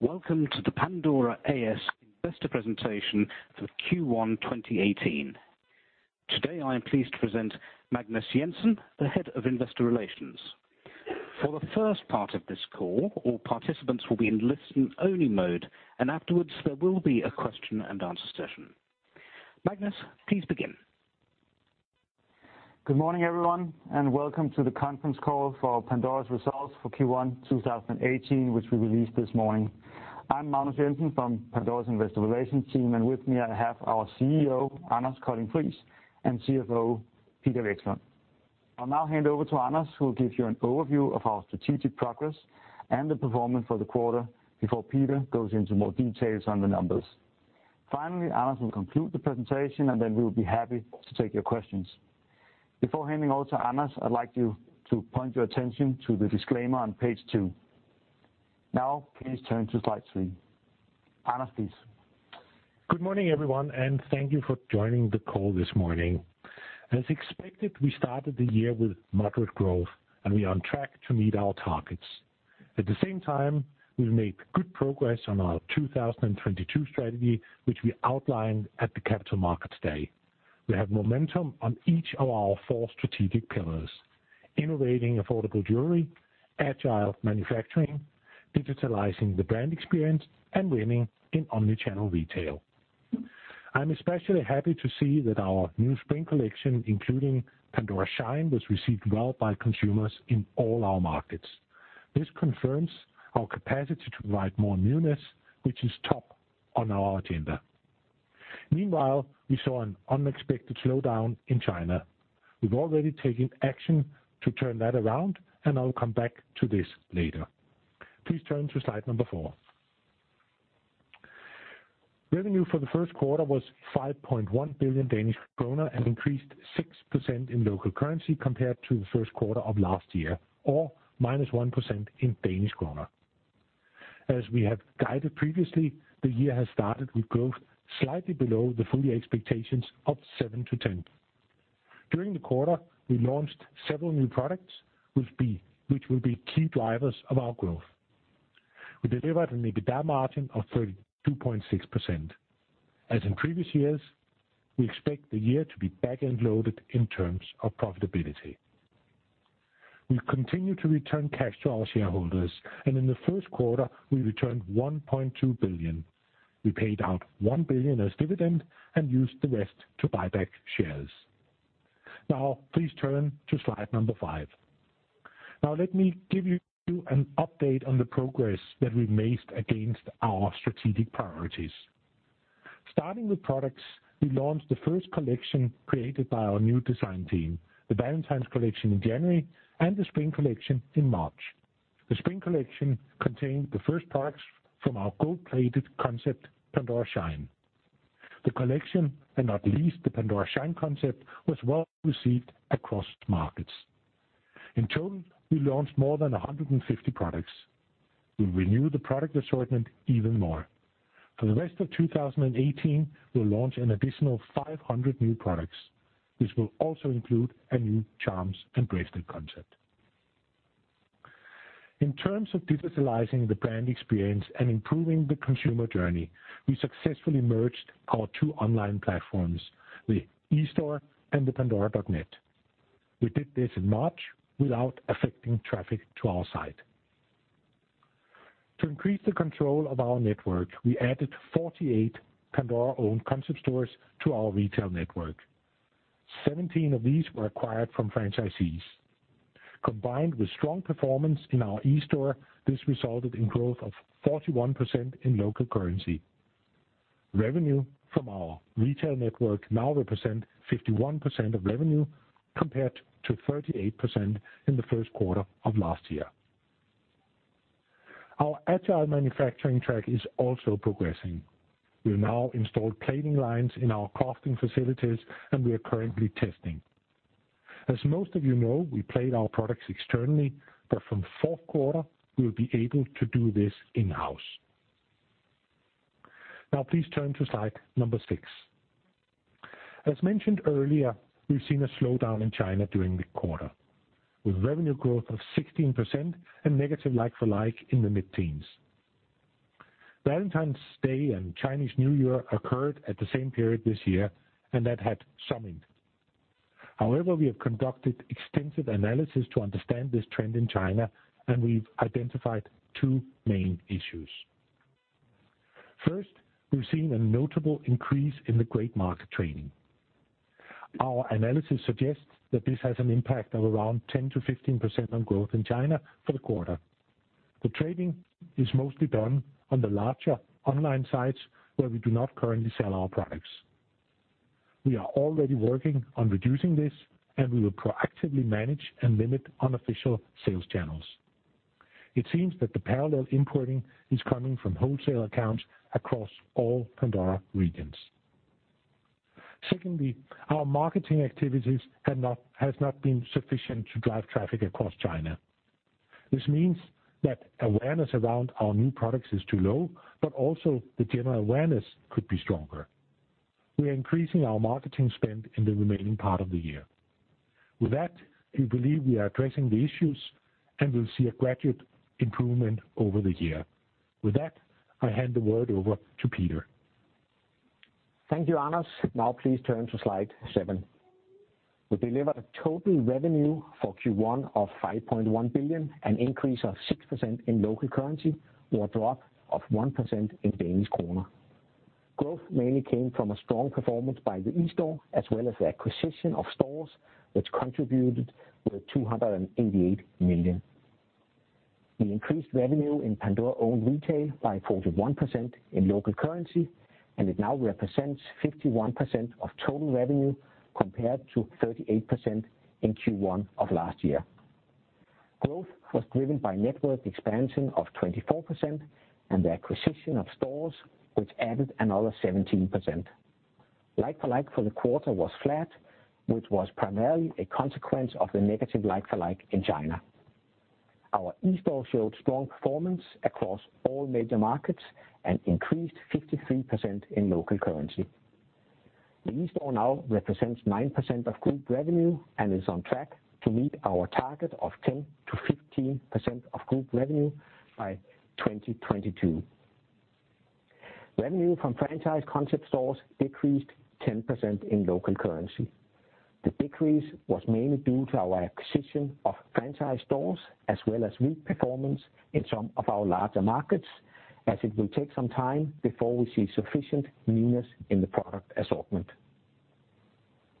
Welcome to the Pandora A/S Investor Presentation For Q1 2018. Today, I am pleased to present Magnus Jensen, the Head of Investor Relations. For the first part of this call, all participants will be in listen-only mode, and afterwards, there will be a question and answer session. Magnus, please begin. Good morning, everyone, and welcome to the Conference Call for Pandora's Results For Q1 2018, which we released this morning. I'm Magnus Jensen from Pandora's investor relations team, and with me, I have our CEO, Anders Colding Friis, and CFO, Peter Vekslund. I'll now hand over to Anders, who will give you an overview of our strategic progress and the performance for the quarter before Peter goes into more details on the numbers. Finally, Anders will conclude the presentation, and then we will be happy to take your questions. Before handing over to Anders, I'd like you to point your attention to the disclaimer on page two. Now, please turn to slide three. Anders, please. Good morning, everyone, and thank you for joining the call this morning. As expected, we started the year with moderate growth, and we are on track to meet our targets. At the same time, we've made good progress on our 2022 strategy, which we outlined at the Capital Markets Day. We have momentum on each of our four strategic pillars: innovating affordable jewelry, Agile Manufacturing, digitalizing the brand experience, and winning in omni-channel retail. I'm especially happy to see that our new Spring Collection, including Pandora Shine, was received well by consumers in all our markets. This confirms our capacity to provide more newness, which is top on our agenda. Meanwhile, we saw an unexpected slowdown in China. We've already taken action to turn that around, and I will come back to this later. Please turn to slide number four. Revenue for the first quarter was 5.1 billion Danish kroner, and increased 6% in local currency compared to the first quarter of last year, or -1% in Danish kroner. As we have guided previously, the year has started with growth slightly below the full year expectations of 7%-10%. During the quarter, we launched several new products, which will be key drivers of our growth. We delivered an EBITDA margin of 32.6%. As in previous years, we expect the year to be back-end loaded in terms of profitability. We continue to return cash to our shareholders, and in the first quarter, we returned 1.2 billion. We paid out 1 billion as dividend and used the rest to buy back shares. Now, please turn to slide number five. Now, let me give you an update on the progress that we've made against our strategic priorities. Starting with products, we launched the first collection created by our new design team, the Valentine's Collection in January and the Spring Collection in March. The Spring Collection contained the first products from our gold-plated concept, Pandora Shine. The collection, and not least, the Pandora Shine concept, was well received across markets. In total, we launched more than 150 products. We renew the product assortment even more. For the rest of 2018, we'll launch an additional 500 new products, which will also include a new charms and bracelet concept. In terms of digitalizing the brand experience and improving the consumer journey, we successfully merged our two online platforms, the eSTORE and the pandora.net. We did this in March without affecting traffic to our site. To increase the control of our network, we added 48 Pandora-owned concept stores to our retail network. Seventeen of these were acquired from franchisees. Combined with strong performance in our eSTORE, this resulted in growth of 41% in local currency. Revenue from our retail network now represent 51% of revenue, compared to 38% in the first quarter of last year. Our agile manufacturing track is also progressing. We've now installed plating lines in our casting facilities, and we are currently testing. As most of you know, we plate our products externally, but from fourth quarter, we will be able to do this in-house. Now, please turn to slide number six. As mentioned earlier, we've seen a slowdown in China during the quarter, with revenue growth of 16% and negative like-for-like in the mid-teens. Valentine's Day and Chinese New Year occurred at the same period this year, and that had some impact. However, we have conducted extensive analysis to understand this trend in China, and we've identified two main issues. First, we've seen a notable increase in the gray market trading. Our analysis suggests that this has an impact of around 10%-15% on growth in China for the quarter. The trading is mostly done on the larger online sites, where we do not currently sell our products. We are already working on reducing this, and we will proactively manage and limit unofficial sales channels. It seems that the parallel importing is coming from wholesale accounts across all Pandora regions. Secondly, our marketing activities has not been sufficient to drive traffic across China. This means that awareness around our new products is too low, but also the general awareness could be stronger. We are increasing our marketing spend in the remaining part of the year.... With that, we believe we are addressing the issues, and we'll see a gradual improvement over the year. With that, I hand the word over to Peter. Thank you, Anders. Now please turn to slide seven. We delivered a total revenue for Q1 of 5.1 billion, an increase of 6% in local currency or a drop of 1% in Danish kroner. Growth mainly came from a strong performance by the eSTORE, as well as the acquisition of stores, which contributed with 288 million. We increased revenue in Pandora-owned retail by 41% in local currency, and it now represents 51% of total revenue, compared to 38% in Q1 of last year. Growth was driven by network expansion of 24% and the acquisition of stores, which added another 17%. Like-for-like for the quarter was flat, which was primarily a consequence of the negative like-for-like in China. Our eSTORE showed strong performance across all major markets and increased 53% in local currency. The eSTORE now represents 9% of group revenue and is on track to meet our target of 10%-15% of group revenue by 2022. Revenue from franchise concept stores decreased 10% in local currency. The decrease was mainly due to our acquisition of franchise stores, as well as weak performance in some of our larger markets, as it will take some time before we see sufficient newness in the product assortment.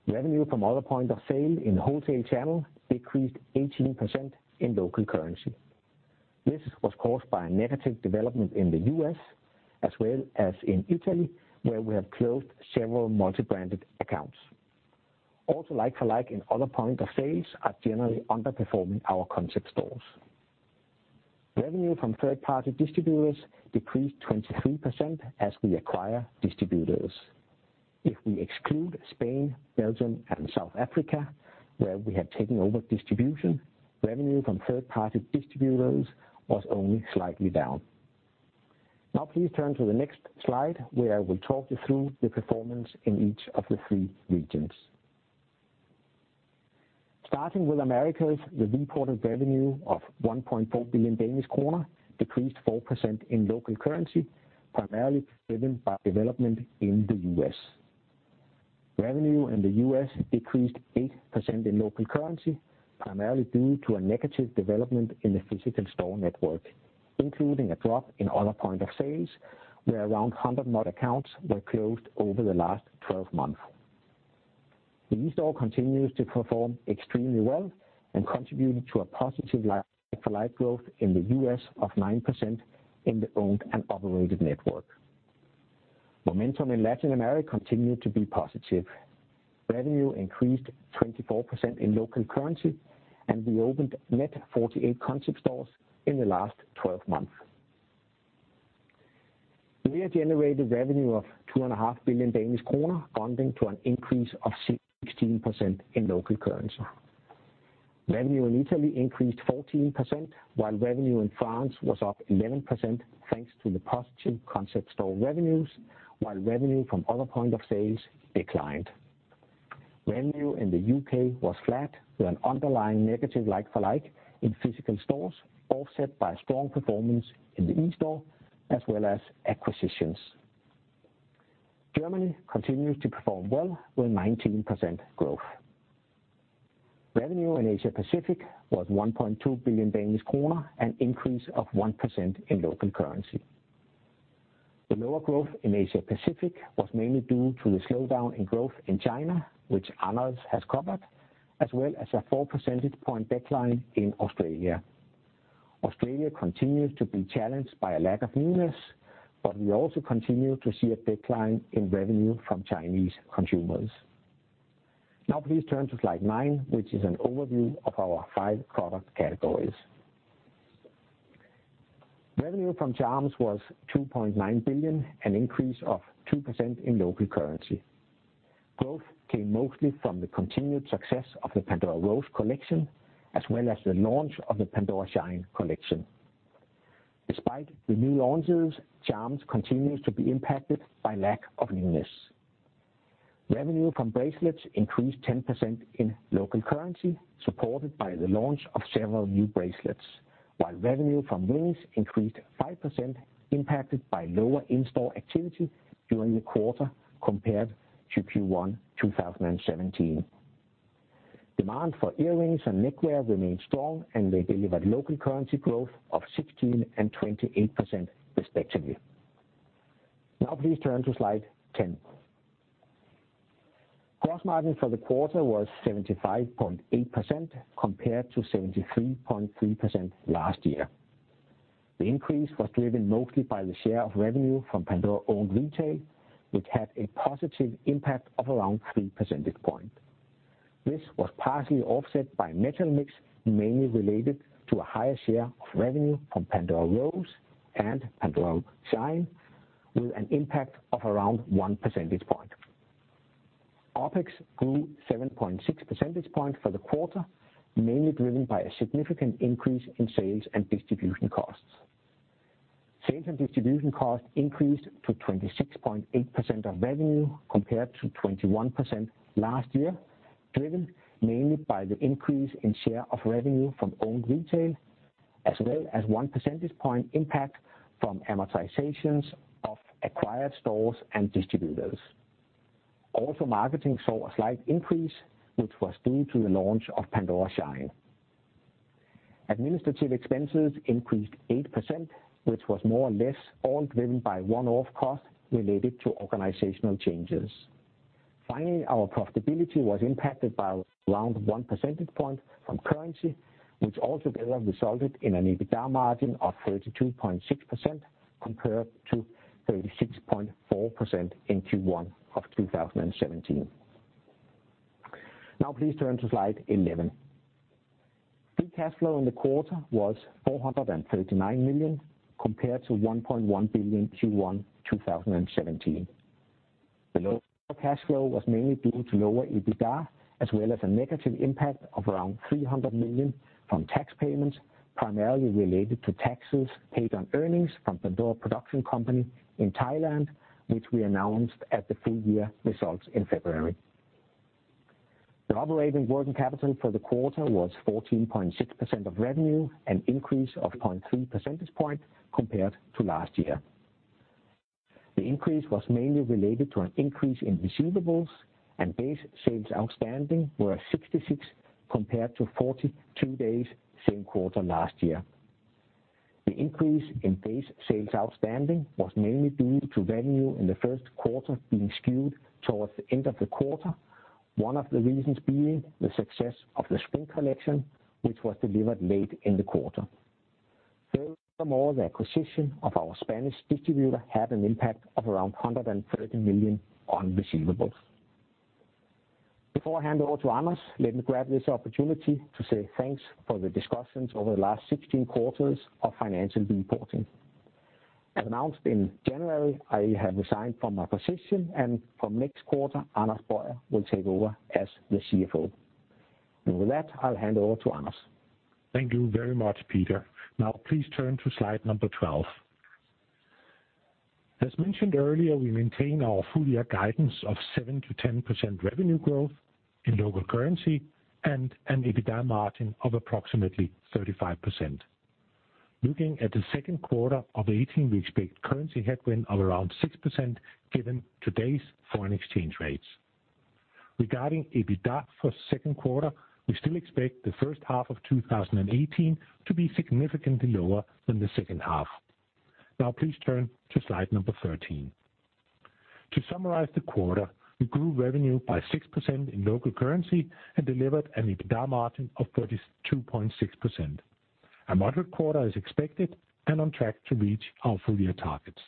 Revenue from other point of sale in the wholesale channel decreased 18% in local currency. This was caused by a negative development in the U.S. as well as in Italy, where we have closed several multi-branded accounts. Also, like-for-like in other point of sales are generally underperforming our concept stores. Revenue from third-party distributors decreased 23% as we acquire distributors. If we exclude Spain, Belgium, and South Africa, where we have taken over distribution, revenue from third-party distributors was only slightly down. Now please turn to the next slide, where I will talk you through the performance in each of the three regions. Starting with Americas, the reported revenue of 1.4 billion Danish kroner decreased 4% in local currency, primarily driven by development in the U.S. Revenue in the U.S. decreased 8% in local currency, primarily due to a negative development in the physical store network, including a drop in other point of sales, where around 100 store accounts were closed over the last 12 months. The eSTORE continues to perform extremely well and contributed to a positive like-for-like growth in the U.S. of 9% in the owned and operated network. Momentum in Latin America continued to be positive. Revenue increased 24% in local currency, and we opened net 48 concept stores in the last 12 months. We have generated revenue of 2.5 billion Danish kroner, corresponding to an increase of 16% in local currency. Revenue in Italy increased 14%, while revenue in France was up 11%, thanks to the positive concept store revenues, while revenue from other points of sale declined. Revenue in the U.K. was flat, with an underlying negative like-for-like in physical stores, offset by strong performance in the eSTORE, as well as acquisitions. Germany continues to perform well with 19% growth. Revenue in Asia Pacific was 1.2 billion Danish kroner, an increase of 1% in local currency. The lower growth in Asia Pacific was mainly due to the slowdown in growth in China, which Anders has covered, as well as a 4% point decline in Australia. Australia continues to be challenged by a lack of newness, but we also continue to see a decline in revenue from Chinese consumers. Now please turn to slide nine, which is an overview of our five product categories. Revenue from charms was 2.9 billion, an increase of 2% in local currency. Growth came mostly from the continued success of the Pandora Rose collection, as well as the launch of the Pandora Shine collection. Despite the new launches, charms continues to be impacted by lack of newness. Revenue from bracelets increased 10% in local currency, supported by the launch of several new bracelets, while revenue from rings increased 5%, impacted by lower in-store activity during the quarter compared to Q1 2017. Demand for earrings and neckwear remained strong, and they delivered local currency growth of 16% and 28% respectively. Now please turn to slide 10. Gross margin for the quarter was 75.8%, compared to 73.3% last year. The increase was driven mostly by the share of revenue from Pandora-owned retail, which had a positive impact of around 3% point. This was partially offset by metal mix, mainly related to a higher share of revenue from Pandora Rose and Pandora Shine, with an impact of around 1 percentage point. OpEx grew 7.6% points for the quarter, mainly driven by a significant increase in sales and distribution costs. Sales and distribution costs increased to 26.8% of revenue compared to 21% last year, driven mainly by the increase in share of revenue from owned retail, as well as 1% point impact from amortizations of acquired stores and distributors. Also, marketing saw a slight increase, which was due to the launch of Pandora Shine. Administrative expenses increased 8%, which was more or less all driven by one-off costs related to organizational changes. Finally, our profitability was impacted by around 1% point from currency, which altogether resulted in an EBITDA margin of 32.6% compared to 36.4% in Q1 of 2017. Now please turn to slide 11.Free cash flow in the quarter was 439 million, compared to 1.1 billion in Q1 2017. The low cash flow was mainly due to lower EBITDA, as well as a negative impact of around 300 million from tax payments, primarily related to taxes paid on earnings from Pandora Production Company in Thailand, which we announced at the full-year results in February. The operating working capital for the quarter was 14.6% of revenue, an increase of 0.3% points compared to last year. The increase was mainly related to an increase in receivables, and days sales outstanding were at 66 compared to 42 days same quarter last year. The increase in days sales outstanding was mainly due to revenue in the first quarter being skewed towards the end of the quarter, one of the reasons being the success of the Spring Collection, which was delivered late in the quarter. Furthermore, the acquisition of our Spanish distributor had an impact of around 130 million on receivables. Before I hand it over to Anders, let me grab this opportunity to say thanks for the discussions over the last 16 quarters of financial reporting. As announced in January, I have resigned from my position, and from next quarter, Anders Boyer will take over as the CFO. With that, I'll hand over to Anders. Thank you very much, Peter. Now please turn to slide number 12. As mentioned earlier, we maintain our full year guidance of 7%-10% revenue growth in local currency and an EBITDA margin of approximately 35%. Looking at the second quarter of 2018, we expect currency headwind of around 6% given today's foreign exchange rates. Regarding EBITDA for second quarter, we still expect the first half of 2018 to be significantly lower than the second half. Now please turn to slide number 13. To summarize the quarter, we grew revenue by 6% in local currency and delivered an EBITDA margin of 32.6%. A moderate quarter is expected and on track to reach our full year targets.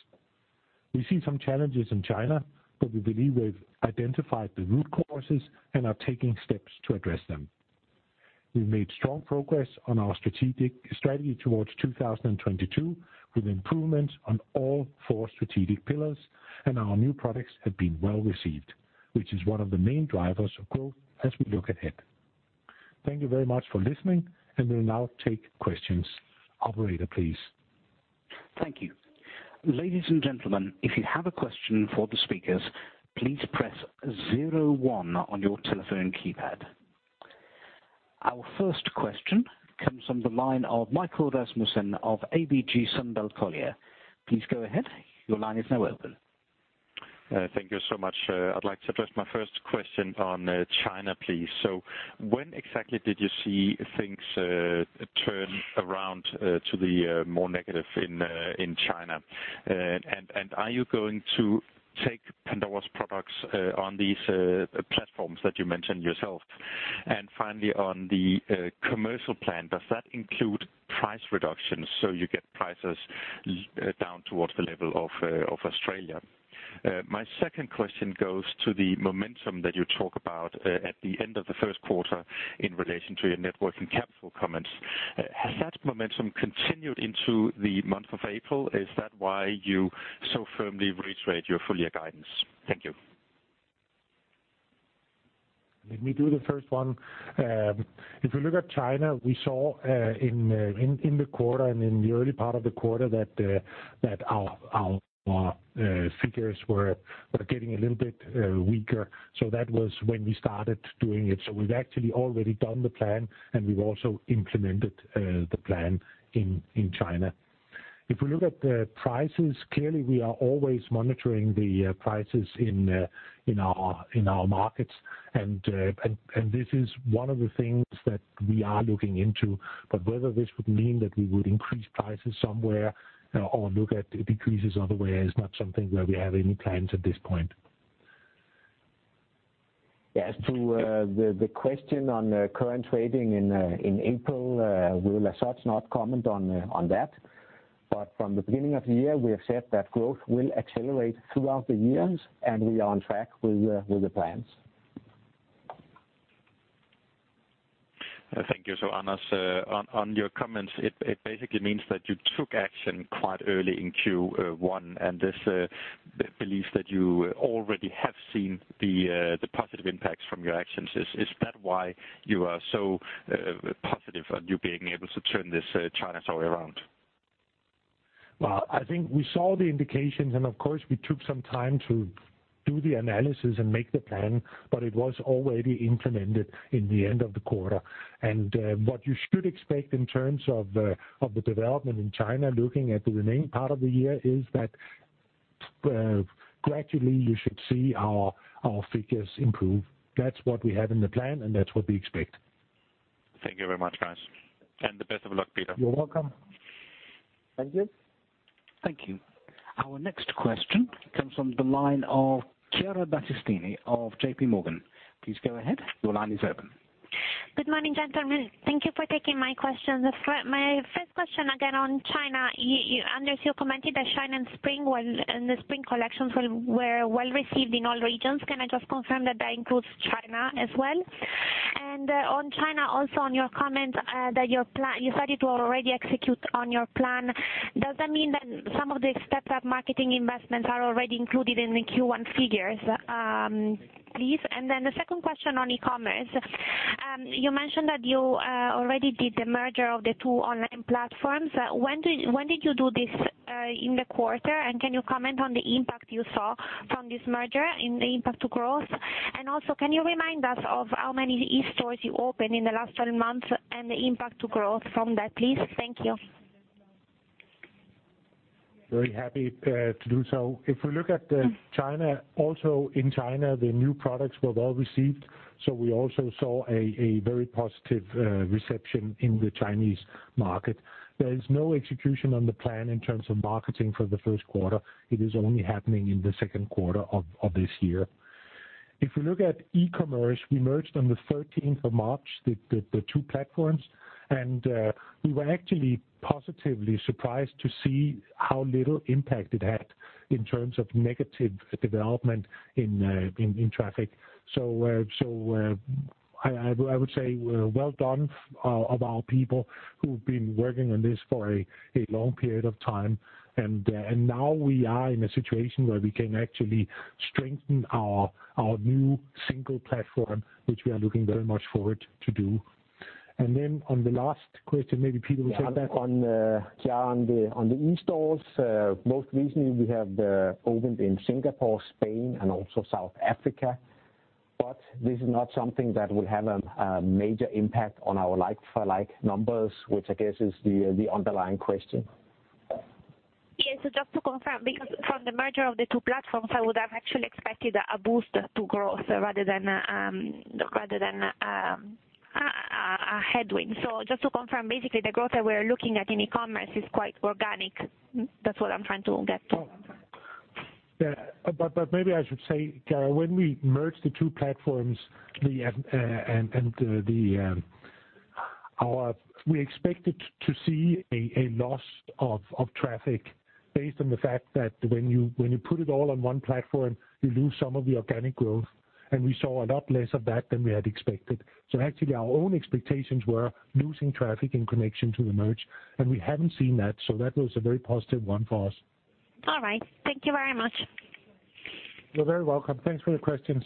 We see some challenges in China, but we believe we've identified the root causes and are taking steps to address them. We've made strong progress on our strategic strategy towards 2022, with improvements on all four strategic pillars, and our new products have been well received, which is one of the main drivers of growth as we look ahead. Thank you very much for listening, and we'll now take questions. Operator, please. Thank you. Ladies and gentlemen, if you have a question for the speakers, please press zero one on your telephone keypad. Our first question comes from the line of Michael Rasmussen of ABG Sundal Collier. Please go ahead. Your line is now open. Thank you so much. I'd like to address my first question on China, please. So when exactly did you see things turn around to the more negative in China? And are you going to take Pandora's products on these platforms that you mentioned yourself? And finally, on the commercial plan, does that include price reductions, so you get prices down towards the level of Australia? My second question goes to the momentum that you talk about at the end of the first quarter in relation to your net working capital comments. Has that momentum continued into the month of April? Is that why you so firmly reiterate your full year guidance? Thank you. Let me do the first one. If you look at China, we saw in the quarter and in the early part of the quarter that our figures were getting a little bit weaker, so that was when we started doing it. So we've actually already done the plan, and we've also implemented the plan in China. If we look at the prices, clearly, we are always monitoring the prices in our markets, and this is one of the things that we are looking into, but whether this would mean that we would increase prices somewhere or look at decreases other way, is not something where we have any plans at this point. As to the question on current trading in April, we will as such not comment on that. But from the beginning of the year, we have said that growth will accelerate throughout the years, and we are on track with the plans. Thank you. So, Anders, on your comments, it basically means that you took action quite early in Q1, and this belief that you already have seen the positive impacts from your actions, is that why you are so positive on you being able to turn this China story around? Well, I think we saw the indications, and of course, we took some time to do the analysis and make the plan, but it was already implemented in the end of the quarter. And what you should expect in terms of the development in China, looking at the remaining part of the year, is that gradually you should see our figures improve. That's what we have in the plan, and that's what we expect. Thank you very much, guys. The best of luck, Peter. You're welcome. Thank you. Thank you. Our next question comes from the line of Chiara Battistini of JPMorgan. Please go ahead. Your line is open. Good morning, gentlemen. Thank you for taking my question. My first question, again, on China, you Anders, you commented that Shine and Spring was, and the Spring collections were well received in all regions. Can I just confirm that that includes China as well? And on China, also, on your comment, that your plan you started to already execute on your plan, does that mean that some of the stepped up marketing investments are already included in the Q1 figures, please? And then the second question on e-commerce, you mentioned that you already did the merger of the two online platforms. When did you do this in the quarter? And can you comment on the impact you saw from this merger and the impact to growth? Also, can you remind us of how many eSTOREs you opened in the last 12 months and the impact to growth from that, please? Thank you. Very happy to do so. If we look at China, also in China, the new products were well received, so we also saw a very positive reception in the Chinese market. There is no execution on the plan in terms of marketing for the first quarter. It is only happening in the second quarter of this year. If we look at e-commerce, we merged on the 13th of March, the two platforms, and we were actually positively surprised to see how little impact it had in terms of negative development in traffic. So, I would say well done of our people who've been working on this for a long period of time. And now we are in a situation where we can actually strengthen our new single platform, which we are looking very much forward to do. And then on the last question, maybe Peter will take that. On the, Chiara, on the eSTOREs, most recently we have opened in Singapore, Spain, and also South Africa. But this is not something that will have a major impact on our like-for-like numbers, which I guess is the underlying question. Yes, so just to confirm, because from the merger of the two platforms, I would have actually expected a boost to growth rather than a headwind. So just to confirm, basically, the growth that we're looking at in e-commerce is quite organic. That's what I'm trying to get to. Yeah. But maybe I should say, Chiara, when we merged the two platforms, we expected to see a loss of traffic based on the fact that when you put it all on one platform, you lose some of the organic growth, and we saw a lot less of that than we had expected. So actually, our own expectations were losing traffic in connection to the merge, and we haven't seen that, so that was a very positive one for us. All right. Thank you very much. You're very welcome. Thanks for the questions.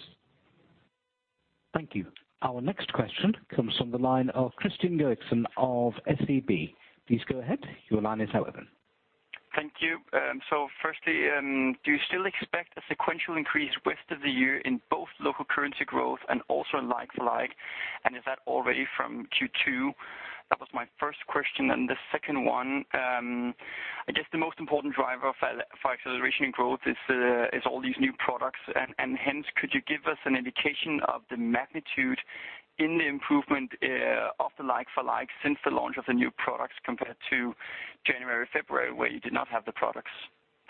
Thank you. Our next question comes from the line of Kristian Godiksen of SEB. Please go ahead. Your line is now open. Thank you. So firstly, do you still expect a sequential increase rest of the year in both local currency growth and also in like-for-like, and is that already from Q2? That was my first question, and the second one, I guess the most important driver for acceleration in growth is all these new products. And hence, could you give us an indication of the magnitude in the improvement of the like-for-like since the launch of the new products compared to January, February, where you did not have the products?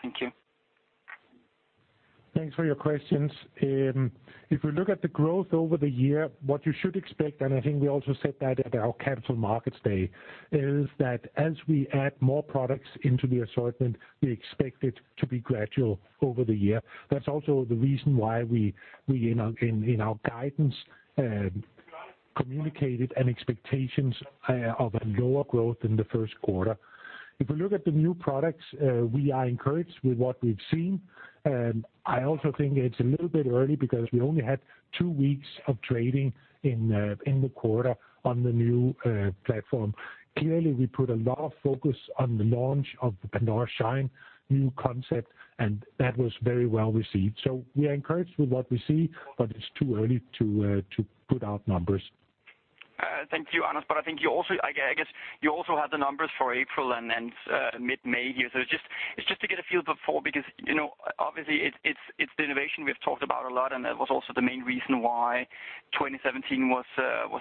Thank you. Thanks for your questions. If we look at the growth over the year, what you should expect, and I think we also said that at our Capital Markets Day, is that as we add more products into the assortment, we expect it to be gradual over the year. That's also the reason why we in our guidance communicated an expectation of a lower growth in the first quarter. If we look at the new products, we are encouraged with what we've seen. I also think it's a little bit early because we only had two weeks of trading in the quarter on the new platform. Clearly, we put a lot of focus on the launch of the Pandora Shine new concept, and that was very well received. So we are encouraged with what we see, but it's too early to put out numbers. Thank you, Anders, but I think you also, I guess you also have the numbers for April and mid-May here. So it's just to get a feel before, because, you know, obviously it's the innovation we've talked about a lot, and that was also the main reason why 2017 was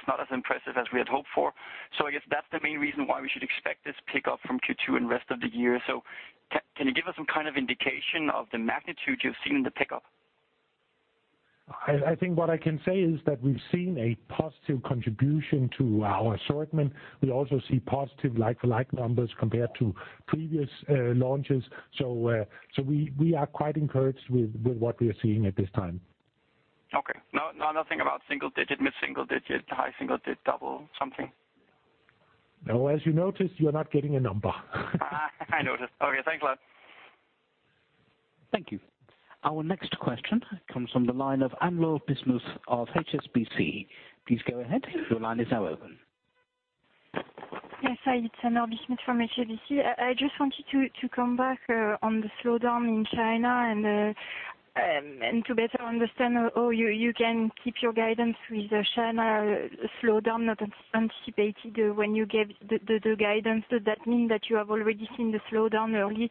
not as impressive as we had hoped for. So I guess that's the main reason why we should expect this pickup from Q2 and rest of the year. So can you give us some kind of indication of the magnitude you've seen in the pickup? I think what I can say is that we've seen a positive contribution to our assortment. We also see positive like-for-like numbers compared to previous launches. So, we are quite encouraged with what we are seeing at this time. Okay. Now, now nothing about single digit, mid single digit, high single digit, double something? No, as you noticed, you're not getting a number. I noticed. Okay, thanks a lot. Thank you. Our next question comes from the line of Anne-Laure Bismuth of HSBC. Please go ahead, your line is now open. Yes, hi, it's Anne-Laure Bismuth from HSBC. I just wanted to come back on the slowdown in China and to better understand how you can keep your guidance with the China slowdown, not anticipated when you gave the guidance. Does that mean that you have already seen the slowdown early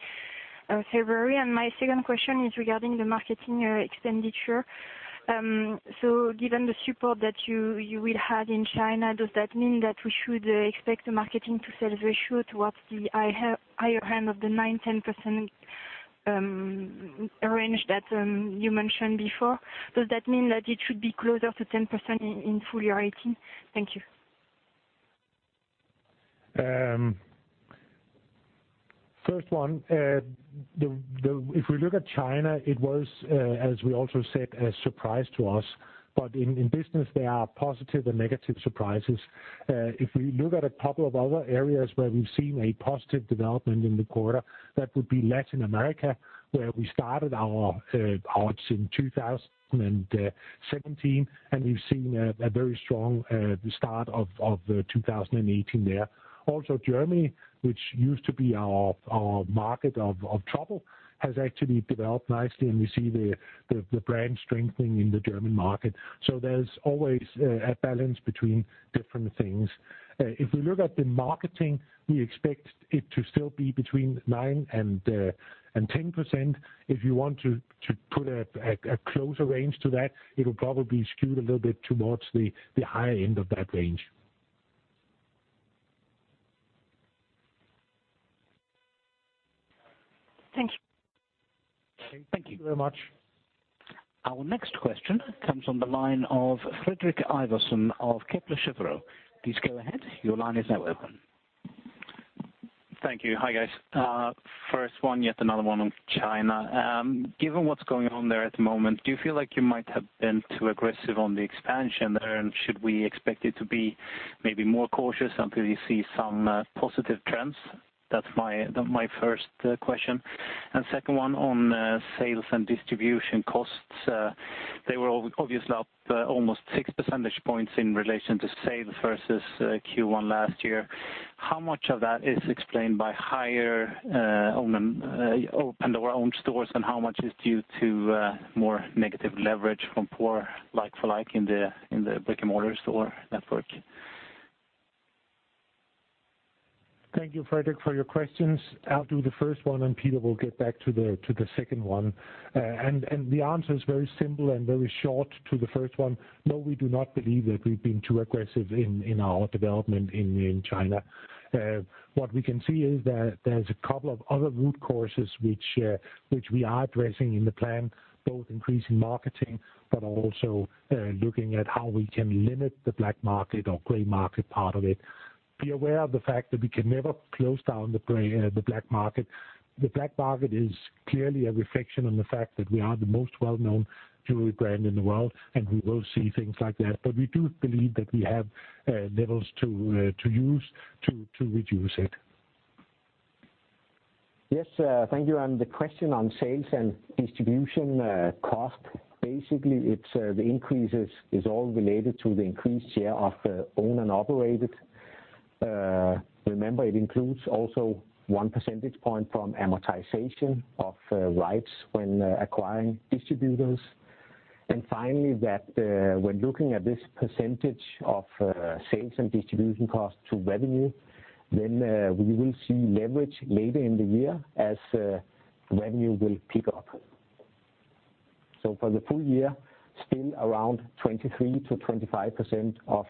February? And my second question is regarding the marketing expenditure. So given the support that you will have in China, does that mean that we should expect the marketing to sales ratio towards the higher end of the 9%-10% range that you mentioned before? Does that mean that it should be closer to 10% in full year 2018? Thank you. First one, if we look at China, it was, as we also said, a surprise to us. But in business, there are positive and negative surprises. If we look at a couple of other areas where we've seen a positive development in the quarter, that would be Latin America, where we started our operations in 2017, and we've seen a very strong start of 2018 there. Also, Germany, which used to be our market of trouble, has actually developed nicely, and we see the brand strengthening in the German market. So there's always a balance between different things. If we look at the marketing, we expect it to still be between 9% and 10%.If you want to put a closer range to that, it'll probably skew a little bit towards the higher end of that range. Thank you. Thank you. Thank you very much. Our next question comes from the line of Fredrik Ivarsson of Kepler Cheuvreux. Please go ahead, your line is now open. Thank you. Hi, guys. First one, yet another one on China. Given what's going on there at the moment, do you feel like you might have been too aggressive on the expansion there? And should we expect it to be maybe more cautious until you see some positive trends? That's my, my first question. And second one, on sales and distribution costs, they were obviously up almost 6% points in relation to sales versus Q1 last year. How much of that is explained by higher own Pandora-owned stores, and how much is due to more negative leverage from poor like-for-like in the brick and mortar store network? Thank you, Fredrik, for your questions. I'll do the first one, and Peter will get back to the, to the second one. and, and the answer is very simple and very short to the first one. No, we do not believe that we've been too aggressive in, in our development in, in China. what we can see is that there's a couple of other root causes which, which we are addressing in the plan, both increasing marketing but also, looking at how we can limit the black market or gray market part of it. Be aware of the fact that we can never close down the gray, the black market. The black market is clearly a reflection on the fact that we are the most well-known jewelry brand in the world, and we will see things like that. But we do believe that we have levers to use to reduce it. Yes, thank you. And the question on sales and distribution cost, basically, it's the increases is all related to the increased share of owned and operated. Remember, it includes also one percentage point from amortization of rights when acquiring distributors. And finally, that when looking at this percentage of sales and distribution costs to revenue, then we will see leverage later in the year as revenue will pick up. So for the full year, still around 23%-25% of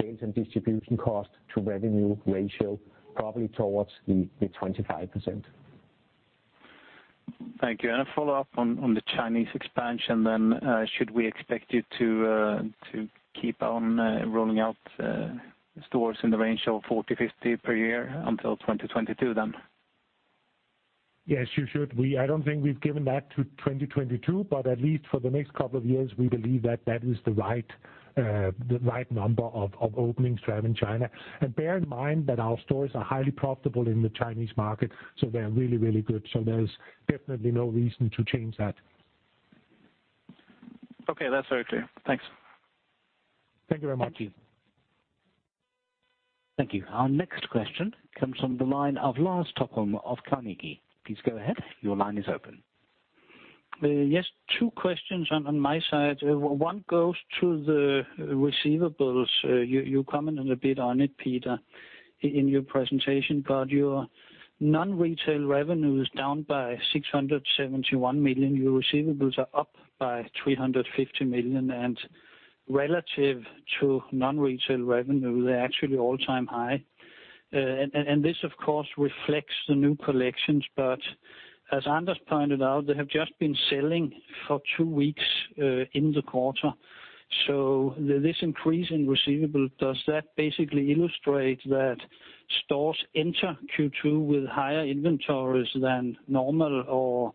sales and distribution cost to revenue ratio, probably towards the 25%. Thank you. A follow-up on the Chinese expansion then, should we expect you to keep on rolling out stores in the range of 40, 50 per year until 2022 then? Yes, you should. We, I don't think we've given that to 2022, but at least for the next couple of years, we believe that that is the right, the right number of, of openings to have in China. And bear in mind that our stores are highly profitable in the Chinese market, so they are really, really good. So there's definitely no reason to change that. Okay, that's very clear. Thanks. Thank you very much. Thank you. Thank you. Our next question comes from the line of Lars Topholm of Carnegie. Please go ahead, your line is open. Yes, two questions on my side. One goes to the receivables. You commented a bit on it, Peter, in your presentation, but your non-retail revenue is down by 671 million, your receivables are up by 350 million, and relative to non-retail revenue, they're actually all-time high. And this, of course, reflects the new collections, but as Anders pointed out, they have just been selling for two weeks in the quarter. So this increase in receivable, does that basically illustrate that stores enter Q2 with higher inventories than normal, or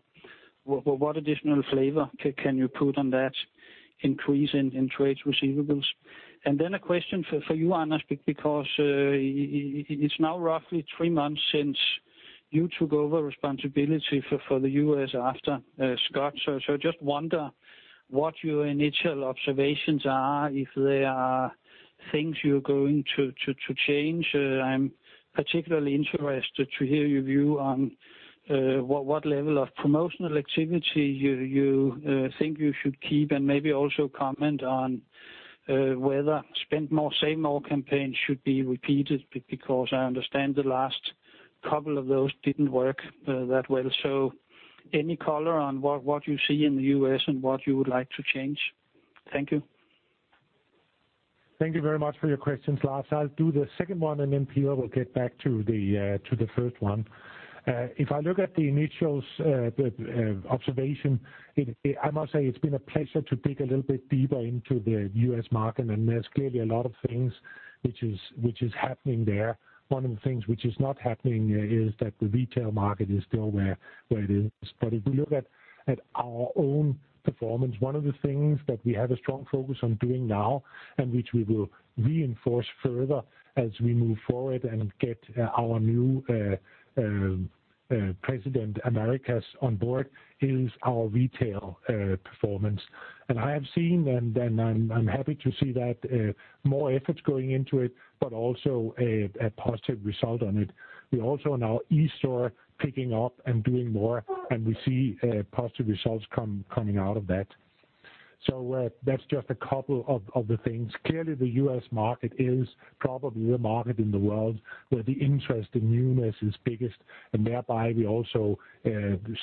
what additional flavor can you put on that? Increase in trade receivables? And then a question for you, Anders, because it's now roughly three months since you took over responsibility for the U.S. after Scott. So just wonder what your initial observations are, if there are things you're going to change? I'm particularly interested to hear your view on what level of promotional activity you think you should keep, and maybe also comment on whether Spend More, Save More campaign should be repeated, because I understand the last couple of those didn't work that well. So any color on what you see in the U.S. and what you would like to change? Thank you. Thank you very much for your questions, Lars. I'll do the second one, and then Peter will get back to the, to the first one. If I look at the LFLs, the observation, I must say it's been a pleasure to dig a little bit deeper into the US market, and there's clearly a lot of things which is, which is happening there. One of the things which is not happening, is that the retail market is still where it is. But if you look at our own performance, one of the things that we have a strong focus on doing now, and which we will reinforce further as we move forward and get our new President Americas on board, is our retail performance. I have seen, and I'm happy to see that more efforts going into it, but also a positive result on it. We also are now eSTORE picking up and doing more, and we see positive results coming out of that. So, that's just a couple of the things. Clearly, the US market is probably the market in the world where the interest in newness is biggest, and thereby we also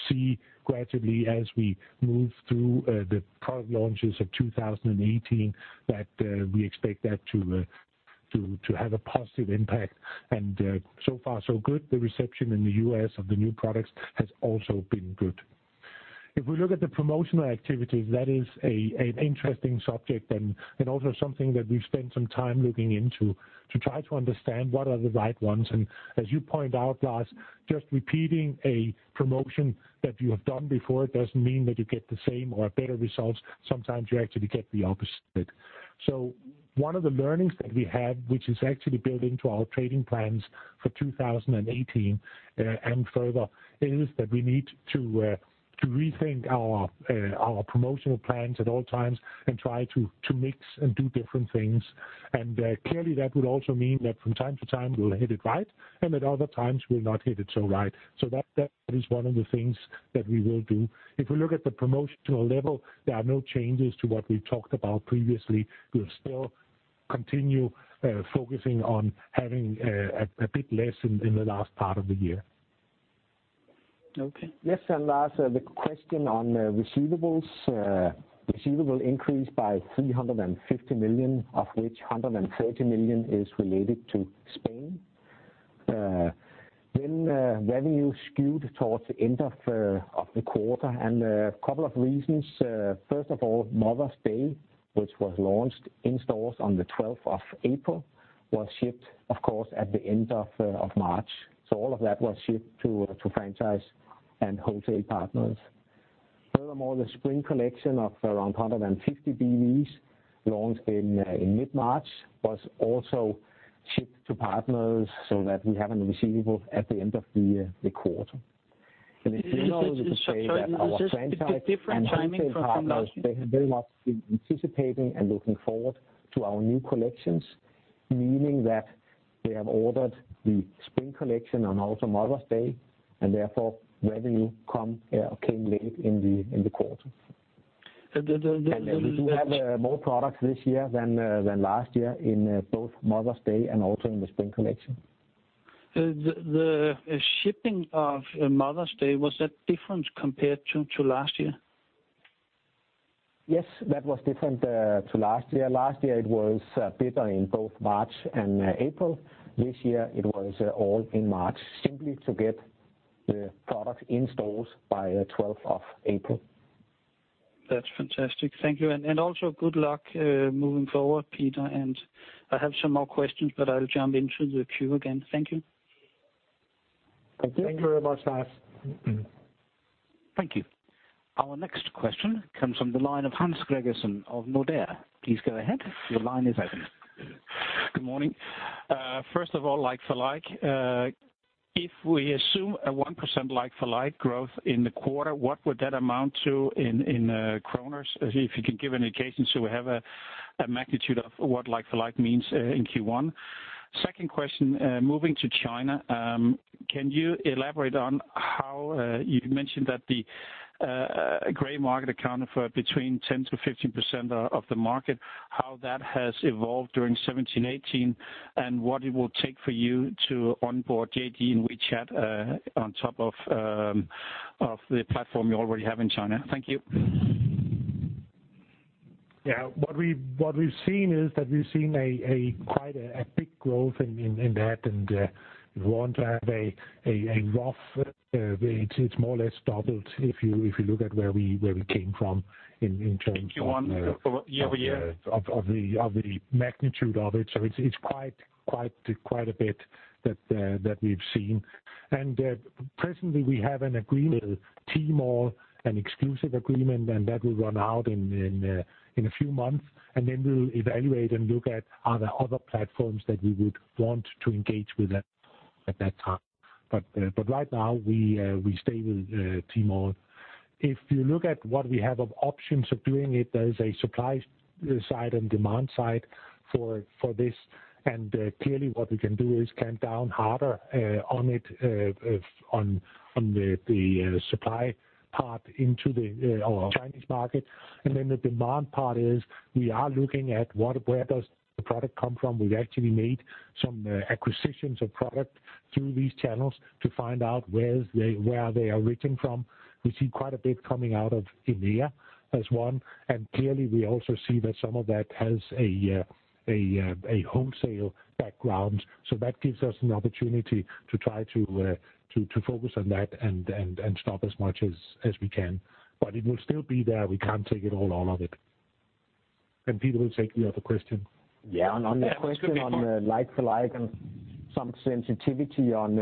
see gradually as we move through the product launches of 2018, that we expect that to have a positive impact, and so far, so good. The reception in the U.S. of the new products has also been good. If we look at the promotional activities, that is an interesting subject and also something that we've spent some time looking into to try to understand what are the right ones. And as you point out, Lars, just repeating a promotion that you have done before, doesn't mean that you get the same or better results. Sometimes you actually get the opposite. So one of the learnings that we have, which is actually built into our trading plans for 2018 and further, is that we need to rethink our promotional plans at all times and try to mix and do different things. And clearly, that will also mean that from time to time, we'll hit it right, and at other times, we'll not hit it so right. So that is one of the things that we will do. If we look at the promotional level, there are no changes to what we've talked about previously. We'll still continue focusing on having a bit less in the last part of the year. Okay. Yes, and Lars, the question on receivables. Receivables increased by 350 million, of which 130 million is related to Spain. Then revenue skewed towards the end of the quarter, and a couple of reasons. First of all, Mother's Day, which was launched in stores on the 12th of April, was shipped, of course, at the end of March. So all of that was shipped to franchise and wholesale partners. Furthermore, the Spring Collection of around 150 DVs launched in mid-March, was also shipped to partners so that we have a receivable at the end of the quarter. In general, you could say that our franchise- It's a different timing for- Partners, they have very much been anticipating and looking forward to our new collections, meaning that they have ordered the Spring Collection and also Mother's Day, and therefore, revenue came late in the quarter. And the- We do have more products this year than last year in both Mother's Day and also in the Spring Collection. The shipping of Mother's Day, was that different compared to last year? Yes, that was different to last year. Last year it was bigger in both March and April. This year it was all in March, simply to get the product in stores by the 12th of April. That's fantastic. Thank you, and also good luck moving forward, Peter, and I have some more questions, but I'll jump into the queue again. Thank you. Thank you. Thank you very much, Lars. Thank you. Our next question comes from the line of Hans Gregersen of Nordea. Please go ahead, your line is open. Good morning. First of all, like-for-like, if we assume a 1% like-for-like growth in the quarter, what would that amount to in DKK? If you could give an indication, so we have a magnitude of what like-for-like means in Q1. Second question, moving to China, can you elaborate on how you mentioned that the gray market accounted for between 10%-15% of, of the market, how that has evolved during 2017, 2018, and what it will take for you to onboard JD and WeChat on top of of the platform you already have in China? Thank you. Yeah. What we've seen is that we've seen quite a big growth in that, and we want to have a rough way. It's more or less doubled if you look at where we came from in terms of- In Q1, or year-over-year? Of the magnitude of it. So it's quite a bit that we've seen. And presently, we have an agreement with Tmall, an exclusive agreement, and that will run out in a few months, and then we'll evaluate and look at are there other platforms that we would want to engage with that at that time. But right now, we stay with Tmall. If you look at what we have of options of doing it, there is a supply side and demand side for this, and clearly what we can do is come down harder on it on the supply part into our Chinese market. And then the demand part is we are looking at what, where does the product come from? We've actually made some acquisitions of product through these channels to find out where they are originating from. We see quite a bit coming out of India as one, and clearly, we also see that some of that has a wholesale background. So that gives us an opportunity to try to focus on that and stop as much as we can. But it will still be there. We can't take it all of it. And Peter will take the other question. Yeah, on the question on the like-for-like and some sensitivity on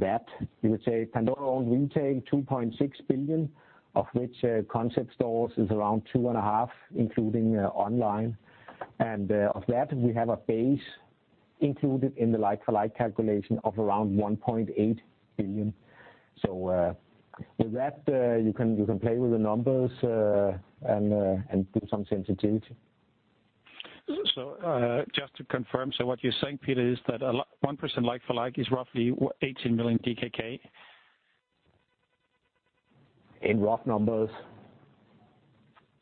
that, you would say Pandora own retail 2.6 billion, of which concept stores is around 2.5 billion, including online. And of that, we have a base included in the like-for-like calculation of around 1.8 billion. So with that, you can play with the numbers and do some sensitivity. Just to confirm, so what you're saying, Peter, is that 1% like-for-like is roughly 18 million DKK? In rough numbers.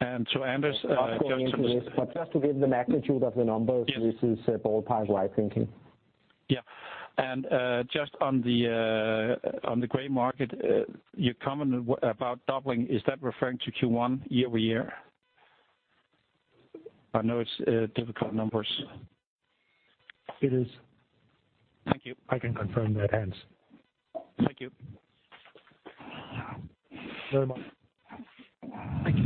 And so, Anders, just to... Just to give the magnitude of the numbers- Yeah. This is ballpark-wide thinking. Yeah. And, just on the gray market, your comment about doubling, is that referring to Q1 year-over-year? I know it's difficult numbers. It is. Thank you. I can confirm that, Hans. Thank you. Very much. Thank you.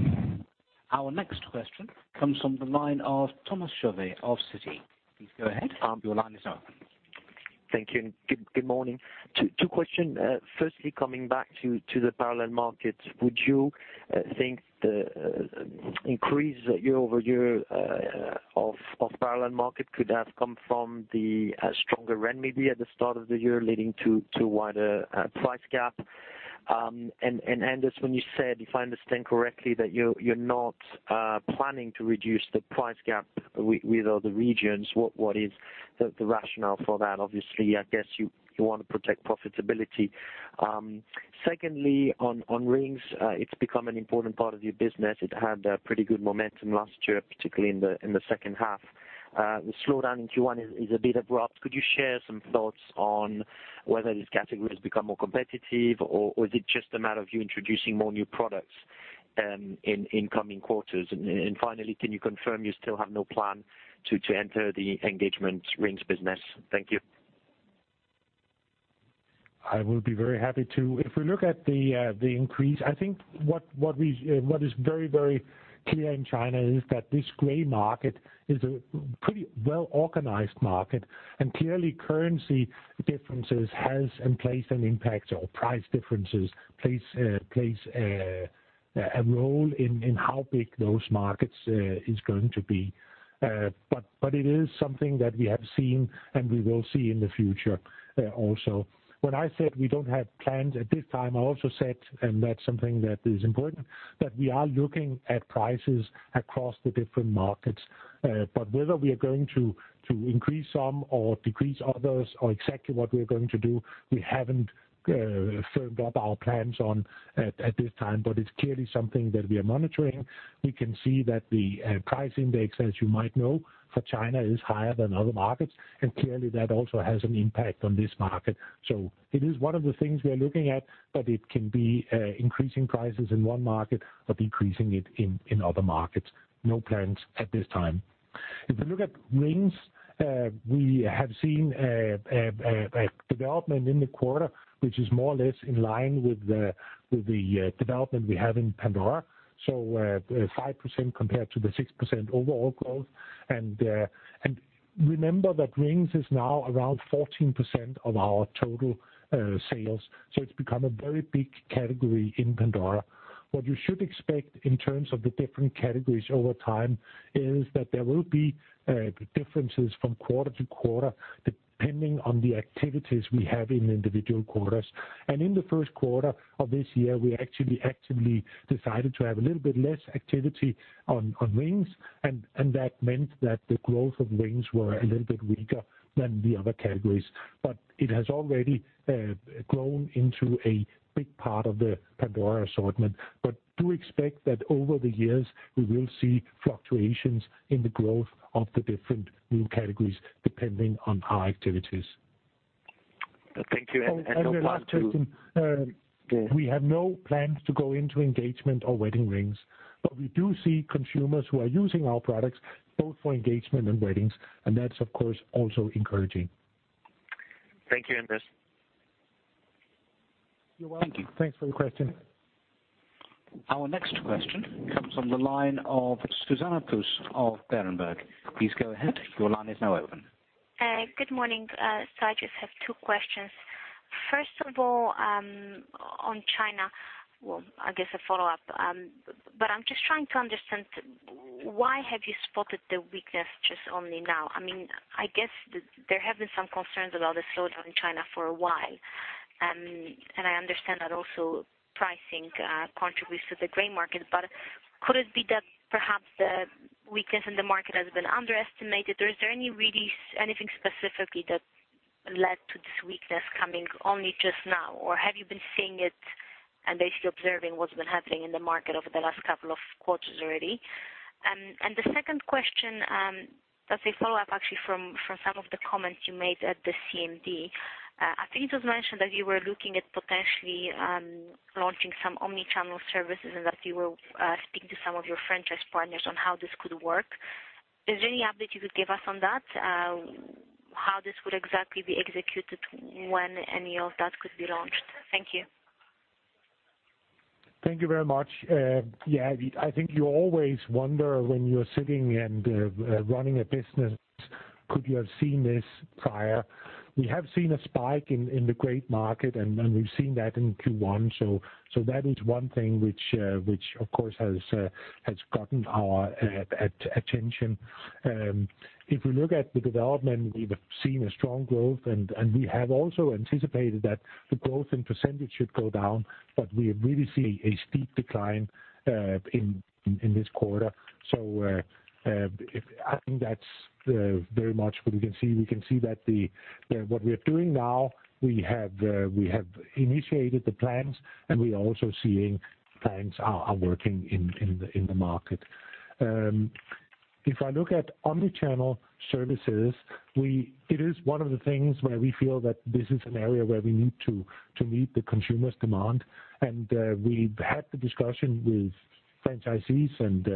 Our next question comes from the line of Thomas Chauvet of Citi. Please go ahead, your line is now open. Thank you, and good morning. Two questions. Firstly, coming back to the parallel market, would you think the increase year-over-year of parallel market could have come from the stronger renminbi at the start of the year, leading to wider price gap? And Anders, when you said, if I understand correctly, that you're not planning to reduce the price gap with other regions, what is the rationale for that? Obviously, I guess you want to protect profitability. Secondly, on rings, it's become an important part of your business. It had a pretty good momentum last year, particularly in the second half. The slowdown in Q1 is a bit abrupt. Could you share some thoughts on whether this category has become more competitive, or is it just a matter of you introducing more new products in coming quarters? Finally, can you confirm you still have no plan to enter the engagement rings business? Thank you. I will be very happy to. If we look at the increase, I think what we what is very, very clear in China is that this gray market is a pretty well-organized market, and clearly, currency differences has in place an impact or price differences plays a role in how big those markets is going to be. But it is something that we have seen, and we will see in the future also. When I said we don't have plans at this time, I also said, and that's something that is important, that we are looking at prices across the different markets. But whether we are going to increase some or decrease others or exactly what we're going to do, we haven't firmed up our plans on at this time, but it's clearly something that we are monitoring. We can see that the price index, as you might know, for China, is higher than other markets, and clearly, that also has an impact on this market. So it is one of the things we are looking at, but it can be increasing prices in one market or decreasing it in other markets. No plans at this time. If you look at rings, we have seen a development in the quarter, which is more or less in line with the development we have in Pandora, so 5% compared to the 6% overall growth.remember that rings is now around 14% of our total sales, so it's become a very big category in Pandora. What you should expect in terms of the different categories over time is that there will be differences from quarter to quarter, depending on the activities we have in individual quarters. And in the first quarter of this year, we actually actively decided to have a little bit less activity on rings, and that meant that the growth of rings were a little bit weaker than the other categories. But it has already grown into a big part of the Pandora assortment. But do expect that over the years, we will see fluctuations in the growth of the different new categories, depending on our activities. Thank you, and one last question. We have no plans to go into engagement or wedding rings, but we do see consumers who are using our products both for engagement and weddings, and that's, of course, also encouraging. Thank you, Anders. You're welcome. Thank you. Thanks for the question. Our next question comes from the line of Zuzanna Pusz of Berenberg. Please go ahead. Your line is now open. Good morning. So I just have two questions. First of all, on China, well, I guess a follow-up. But I'm just trying to understand, why have you spotted the weakness just only now? I mean, I guess there have been some concerns about the slowdown in China for a while. And I understand that also pricing contributes to the gray market. But could it be that perhaps the weakness in the market has been underestimated, or is there any really anything specifically that led to this weakness coming only just now? Or have you been seeing it and basically observing what's been happening in the market over the last couple of quarters already? And the second question, that's a follow-up, actually, from some of the comments you made at the CMD. I think it was mentioned that you were looking at potentially launching some omni-channel services and that you were speaking to some of your franchise partners on how this could work. Is there any update you could give us on that? How this would exactly be executed, when any of that could be launched? Thank you. Thank you very much. Yeah, I think you always wonder when you're sitting and running a business, could you have seen this prior? We have seen a spike in the gray market, and we've seen that in Q1, so that is one thing which, of course, has gotten our attention. If we look at the development, we've seen a strong growth, and we have also anticipated that the growth in percentage should go down, but we really see a steep decline in this quarter. So, I think that's very much what we can see. We can see that what we are doing now, we have initiated the plans, and we are also seeing plans are working in the market. If I look at omni-channel services, we, it is one of the things where we feel that this is an area where we need to meet the consumers' demand. We've had the discussion with franchisees, and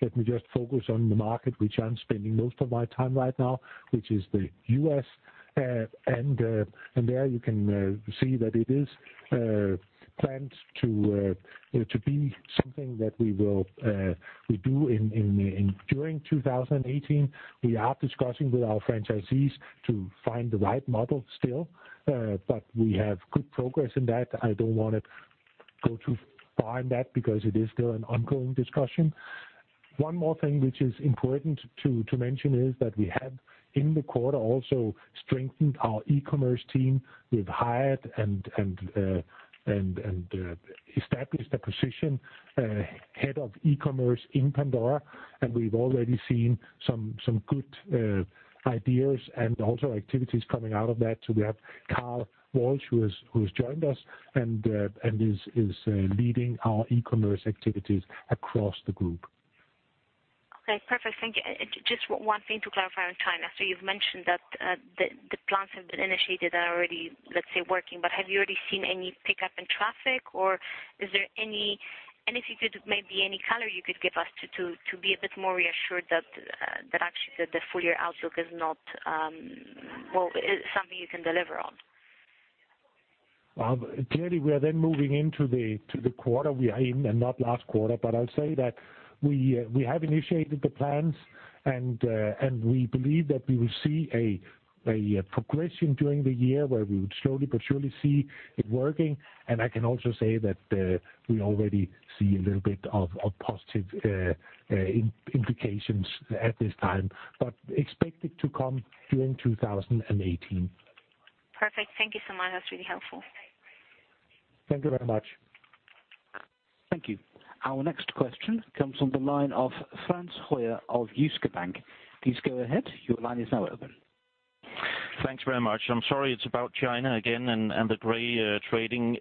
let me just focus on the market, which I'm spending most of my time right now, which is the U.S. And there you can see that it is planned to be something that we will do in 2018. We are discussing with our franchisees to find the right model still, but we have good progress in that. I don't want to go too far in that because it is still an ongoing discussion. One more thing which is important to mention is that we have, in the quarter, also strengthened our e-commerce team. We've hired and established a position, Head of E-commerce in Pandora, and we've already seen some good ideas and also activities coming out of that. So we have Karl Walsh, who has joined us, and is leading our e-commerce activities across the group. Okay, perfect. Thank you. Just one thing to clarify on China. So you've mentioned that the plans have been initiated and are already, let's say, working. But have you already seen any pickup in traffic, or is there anything, maybe any color you could give us to be a bit more reassured that that actually the full year outlook is not well, is something you can deliver on? Clearly, we are then moving into the quarter we are in and not last quarter. But I'll say that we have initiated the plans, and we believe that we will see a progression during the year where we would slowly but surely see it working. And I can also say that we already see a little bit of positive implications at this time, but expect it to come during 2018. Perfect. Thank you so much. That's really helpful. Thank you very much. Thank you. Our next question comes from the line of Frans Hoyer of Jyske Bank. Please go ahead. Your line is now open. Thanks very much. I'm sorry, it's about China again and the gray trading.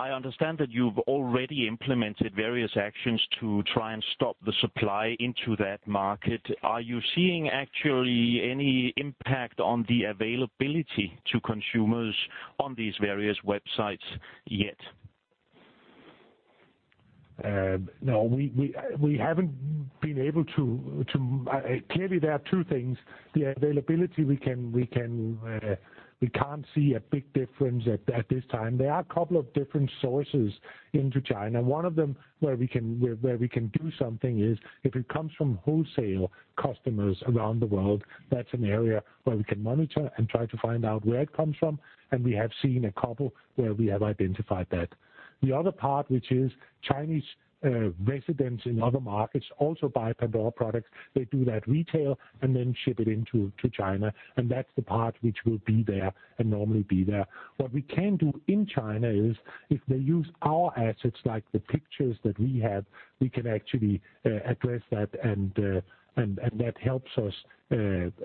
I understand that you've already implemented various actions to try and stop the supply into that market. Are you seeing actually any impact on the availability to consumers on these various websites yet? No, we haven't been able to. Clearly, there are two things. The availability, we can't see a big difference at this time. There are a couple of different sources into China. One of them where we can do something is if it comes from wholesale customers around the world, that's an area where we can monitor and try to find out where it comes from, and we have seen a couple where we have identified that. The other part, which is Chinese residents in other markets, also buy Pandora products. They do that retail and then ship it into China, and that's the part which will be there and normally be there. What we can do in China is if they use our assets, like the pictures that we have, we can actually address that, and that helps us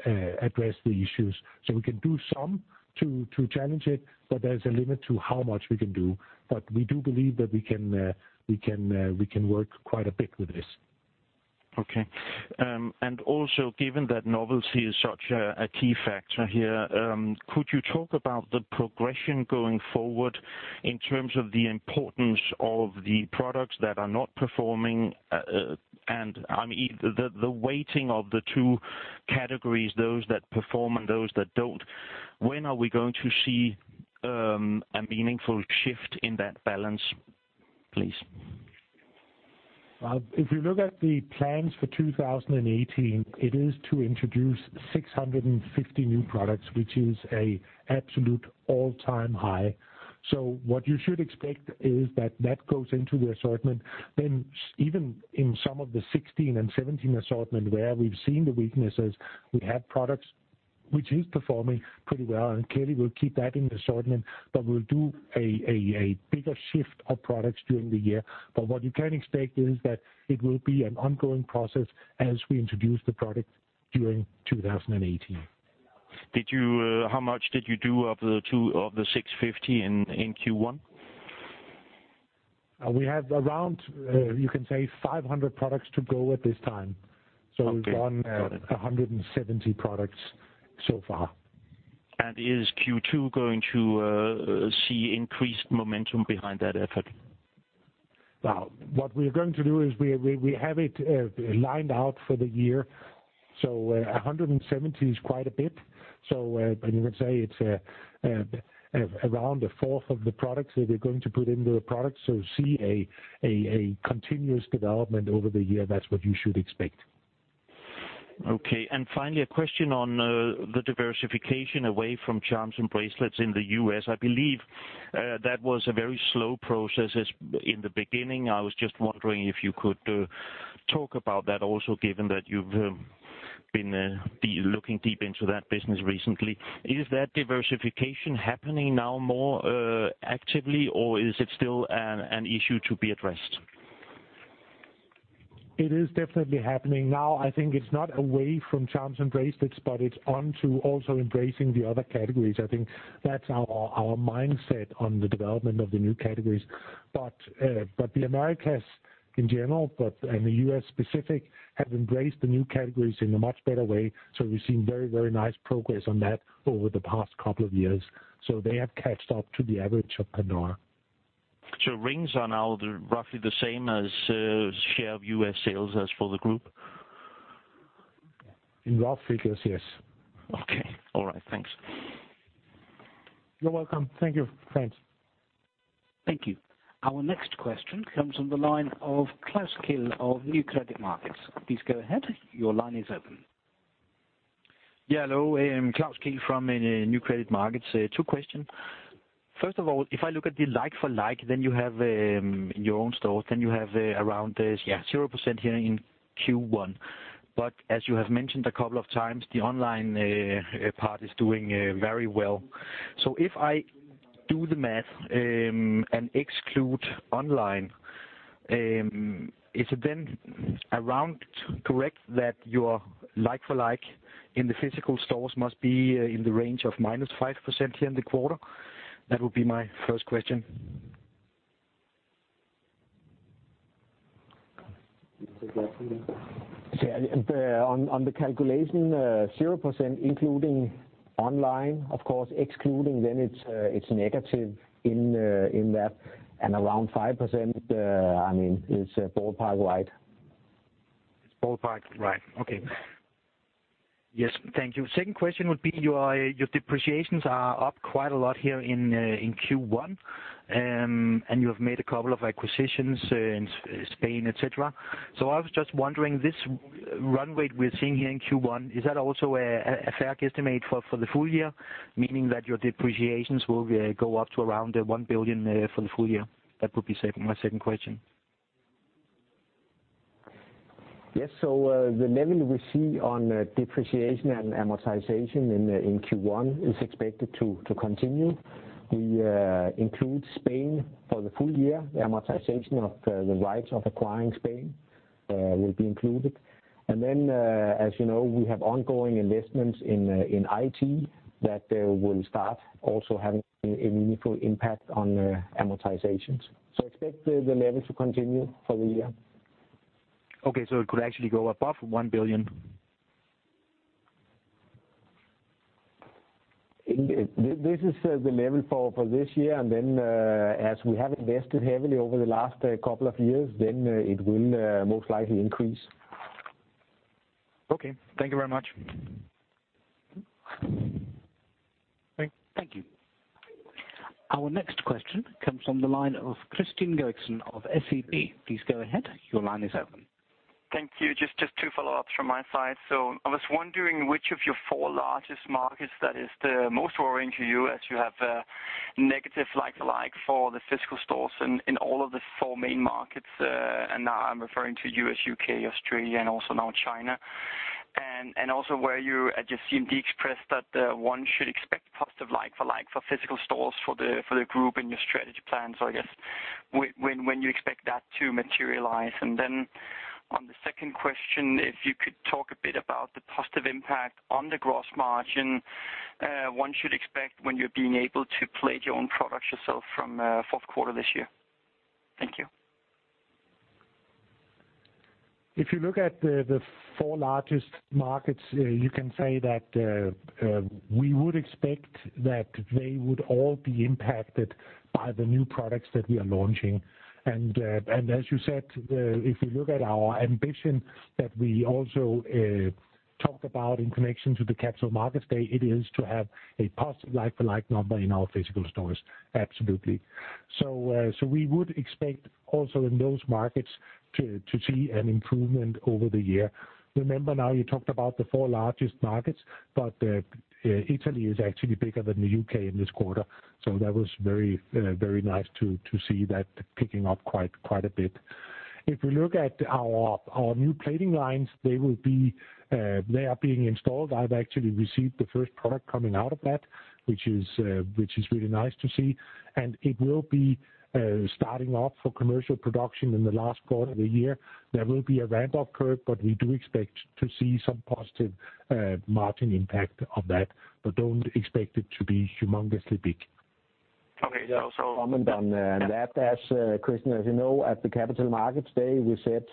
address the issues. So we can do some to challenge it, but there's a limit to how much we can do. But we do believe that we can work quite a bit with this. Okay. Also, given that novelty is such a key factor here, could you talk about the progression going forward in terms of the importance of the products that are not performing? And, I mean, the weighting of the two categories, those that perform and those that don't, when are we going to see a meaningful shift in that balance, please? Well, if you look at the plans for 2018, it is to introduce 650 new products, which is an absolute all-time high. So what you should expect is that that goes into the assortment. Then even in some of the 2016 and 2017 assortment, where we've seen the weaknesses, we have products which is performing pretty well, and clearly we'll keep that in the assortment, but we'll do a bigger shift of products during the year. But what you can expect is that it will be an ongoing process as we introduce the product during 2018. Did you, how much did you do of the two, of the 650 in Q1? We have around, you can say 500 products to go at this time. Okay, got it. We've done 170 products so far. Is Q2 going to see increased momentum behind that effort? Well, what we're going to do is we have it lined out for the year, so 170 is quite a bit. So, and you can say it's around a fourth of the products that we're going to put into the product. So see a continuous development over the year, that's what you should expect. Okay. And finally, a question on the diversification away from charms and bracelets in the U.S. I believe that was a very slow process as in the beginning. I was just wondering if you could talk about that also, given that you've been looking deep into that business recently. Is that diversification happening now more actively, or is it still an issue to be addressed? It is definitely happening now. I think it's not away from charms and bracelets, but it's on to also embracing the other categories. I think that's our, our mindset on the development of the new categories. But the Americas in general, and the U.S. specifically, have embraced the new categories in a much better way, so we've seen very, very nice progress on that over the past couple of years. So they have caught up to the average of Pandora. So rings are now the, roughly the same as, share of US sales as for the group? In rough figures, yes. Okay. All right, thanks. You're welcome. Thank you, Frank. Thank you. Our next question comes from the line of Klaus Kehl of Nykredit Markets. Please go ahead, your line is open. Yeah, hello, Klaus Kehl from Nykredit Markets. Two questions. First of all, if I look at the like-for-like, then you have your own store, then you have around 0% here in Q1. But as you have mentioned a couple of times, the online part is doing very well. So if I do the math and exclude online, is it then around correct that your like-for-like in the physical stores must be in the range of -5% here in the quarter? That would be my first question. Can you take that, Soren? Yeah, and on the calculation, 0%, including online, of course, excluding then it's negative in that, and around 5%, I mean, it's ballpark wide. It's ballpark, right. Okay. Yes, thank you. Second question would be your, your depreciations are up quite a lot here in, in Q1, and you have made a couple of acquisitions, in Spain, et cetera. So I was just wondering, this runway we're seeing here in Q1, is that also a fair estimate for the full year, meaning that your depreciations will go up to around 1 billion for the full year? That would be second, my second question. Yes, so, the level we see on depreciation and amortization in Q1 is expected to continue. We include Spain for the full year. The amortization of the rights of acquiring Spain will be included. And then, as you know, we have ongoing investments in IT that will start also having a meaningful impact on amortizations. So expect the level to continue for the year. Okay, so it could actually go above 1 billion? This is the level for this year, and then, as we have invested heavily over the last couple of years, then it will most likely increase. Okay. Thank you very much. Thank you. Thank you. Our next question comes from the line of Kristian Godiksen of SEB. Please go ahead, your line is open. Thank you, just two follow-ups from my side. So I was wondering which of your four largest markets that is the most worrying to you, as you have negative like-for-like for the physical stores in all of the four main markets, and I'm referring to U.S., U.K., Australia, and also now China. And also where you, I just see in the press that one should expect positive like-for-like for physical stores for the group in your strategy plan, so I guess when you expect that to materialize? And then on the second question, if you could talk a bit about the positive impact on the gross margin, one should expect when you're being able to plate your own products yourself from fourth quarter this year. Thank you. If you look at the four largest markets, you can say that we would expect that they would all be impacted by the new products that we are launching. And as you said, if you look at our ambition that we also talked about in connection to the Capital Markets Day, it is to have a positive Like-for-like number in our physical stores, absolutely. So we would expect also in those markets to see an improvement over the year. Remember now, you talked about the four largest markets, but Italy is actually bigger than the U.K. in this quarter, so that was very nice to see that picking up quite a bit. If we look at our new plating lines, they are being installed. I've actually received the first product coming out of that, which is really nice to see, and it will be starting off for commercial production in the last quarter of the year. There will be a ramp-up curve, but we do expect to see some positive margin impact of that, but don't expect it to be humongously big. Okay, so- Comment on that, as Kristian, as you know, at the Capital Markets Day, we said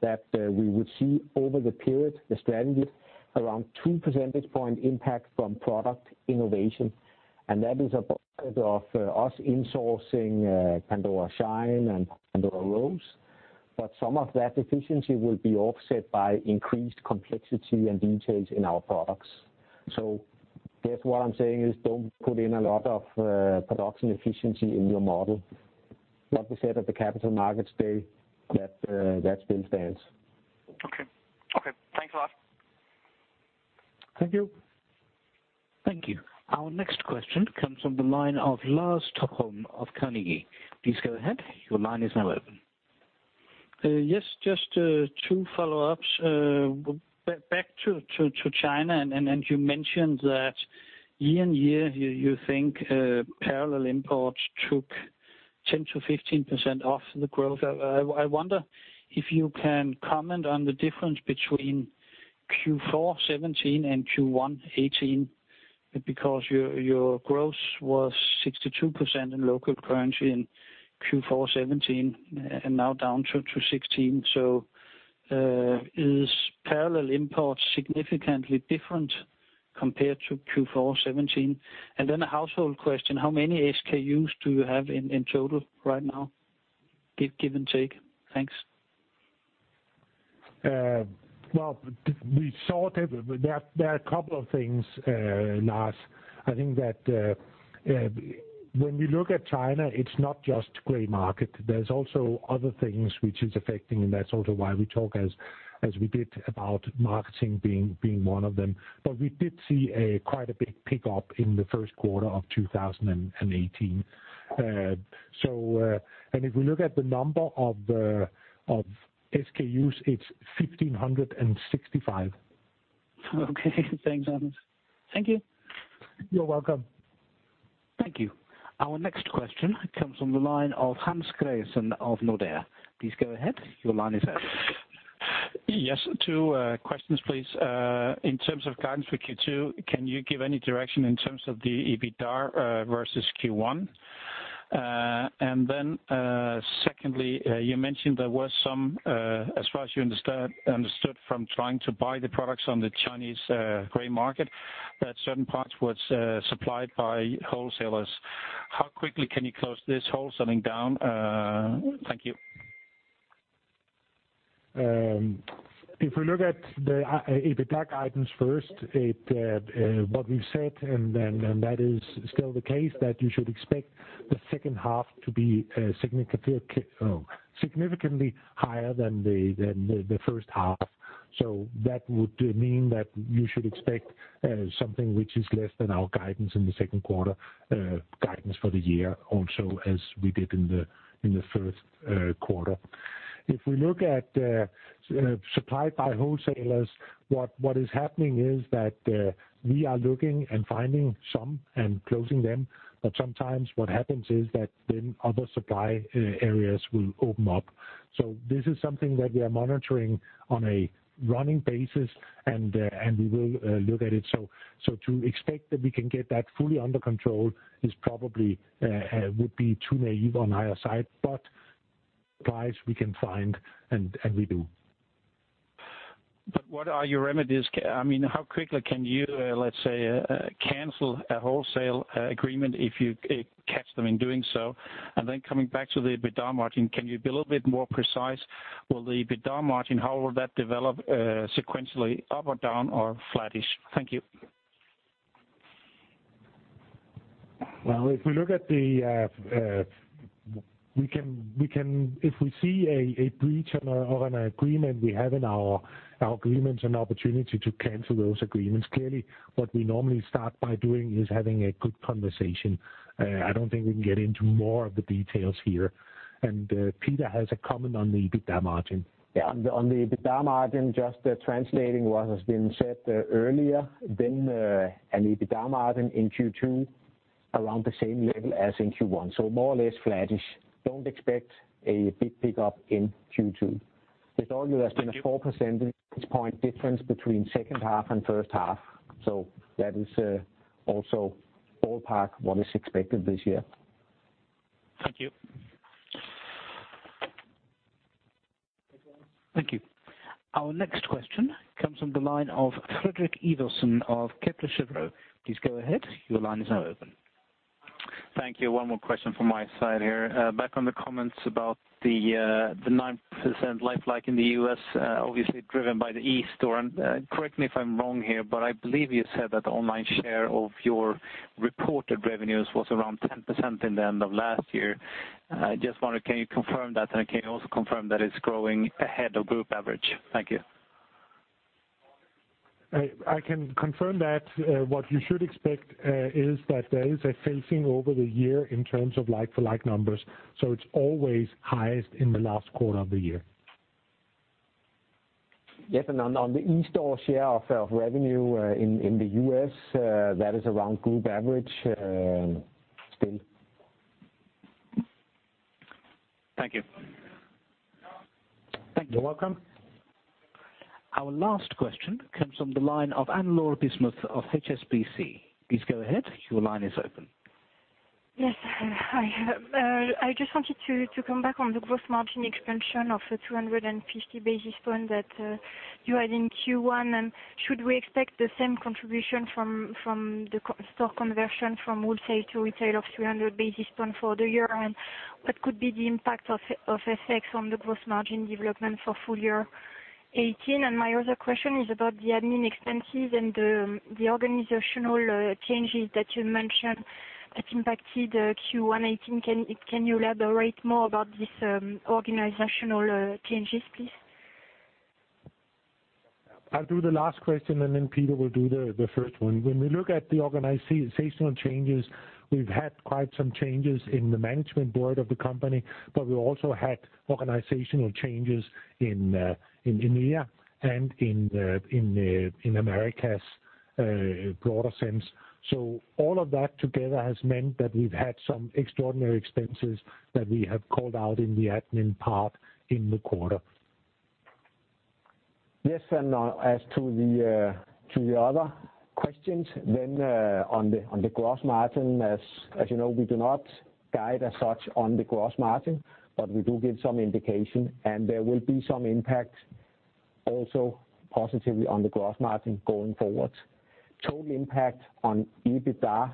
that we would see over the period the strategy around 2% point impact from product innovation, and that is of us insourcing Pandora Shine and Pandora Rose. But some of that efficiency will be offset by increased complexity and details in our products. So guess what I'm saying is don't put in a lot of production efficiency in your model. Like we said at the Capital Markets Day, that still stands. Okay. Okay, thanks a lot. Thank you. Thank you. Our next question comes from the line of Lars Topholm of Carnegie. Please go ahead, your line is now open. Yes, just two follow-ups. Back to China, and you mentioned that year-on-year, you think parallel imports took 10%-15% off the growth. I wonder if you can comment on the difference between Q4 2017 and Q1 2018, because your growth was 62% in local currency in Q4 2017, and now down to 16. So, is parallel imports significantly different compared to Q4 2017? And then a housekeeping question: How many SKUs do you have in total right now, give and take? Thanks. Well, we saw that there, there are a couple of things, Lars. I think that when we look at China, it's not just gray market. There's also other things which is affecting, and that's also why we talk as we did about marketing being one of them. But we did see quite a big pickup in the first quarter of 2018. So, and if we look at the number of SKUs, it's 1,565. Okay, thanks, Anders. Thank you. You're welcome. Thank you. Our next question comes from the line of Hans Gregersen of Nordea. Please go ahead. Your line is open. Yes, two questions, please. In terms of guidance for Q2, can you give any direction in terms of the EBITDA versus Q1? And then, secondly, you mentioned there was some, as far as you understood from trying to buy the products on the Chinese gray market, that certain parts was supplied by wholesalers. How quickly can you close this wholesaling down? Thank you. If we look at the EBITDA guidance first, what we've said, and that is still the case, that you should expect the second half to be significantly higher than the first half. So that would mean that you should expect something which is less than our guidance in the second quarter, guidance for the year also, as we did in the first quarter. If we look at supplied by wholesalers, what is happening is that we are looking and finding some and closing them, but sometimes what happens is that then other supply areas will open up. So this is something that we are monitoring on a running basis, and we will look at it. So, to expect that we can get that fully under control is probably would be too naive on either side, but supplies we can find, and we do. But what are your remedies? I mean, how quickly can you, let's say, cancel a wholesale agreement if you catch them in doing so? And then coming back to the EBITDA margin, can you be a little bit more precise? Will the EBITDA margin, how will that develop, sequentially, up or down or flattish? Thank you. Well, if we see a breach on an agreement, we have in our agreements an opportunity to cancel those agreements. Clearly, what we normally start by doing is having a good conversation. I don't think we can get into more of the details here. And Peter has a comment on the EBITDA margin. Yeah, on the EBITDA margin, just translating what has been said earlier, then an EBITDA margin in Q2 around the same level as in Q1, so more or less flattish. Don't expect a big pickup in Q2. With all you asking- Thank you. A 4% point difference between second half and first half, so that is also ballpark what is expected this year. Thank you. Thank you. Our next question comes from the line of Fredrik Ivarsson of Kepler Cheuvreux. Please go ahead. Your line is now open. Thank you. One more question from my side here. Back on the comments about the 9% like-for-like in the U.S., obviously driven by the eSTORE. Correct me if I'm wrong here, but I believe you said that the online share of your reported revenues was around 10% in the end of last year. I just wonder, can you confirm that? And can you also confirm that it's growing ahead of group average? Thank you. I can confirm that. What you should expect is that there is a phasing over the year in terms of like-for-like numbers, so it's always highest in the last quarter of the year. Yes, and on the eSTORE share of revenue, in the U.S., that is around group average, still. Thank you. Thank you. Welcome. Our last question comes from the line of Anne-Laure Bismuth of HSBC. Please go ahead, your line is open. Yes, hi. I just wanted to come back on the gross margin expansion of the 350 basis point that you had in Q1. And should we expect the same contribution from the concept store conversion from wholesale to retail of 300 basis point for the year? And what could be the impact of FX on the gross margin development for full year 2018? And my other question is about the admin expenses and the organizational changes that you mentioned that impacted Q1 2018. Can you elaborate more about this organizational changes, please? I'll do the last question, and then Peter will do the first one. When we look at the organizational changes, we've had quite some changes in the management board of the company, but we also had organizational changes in EMEA and in the Americas, broader sense. So all of that together has meant that we've had some extraordinary expenses that we have called out in the admin part in the quarter. Yes, and as to the other questions, then on the gross margin, as you know, we do not guide as such on the gross margin, but we do give some indication. And there will be some impact also positively on the gross margin going forward. Total impact on EBITDA